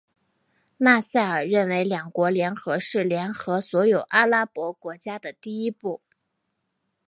纳赛尔认为两国联合是联合所有阿拉伯国家的第一步。